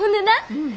うん。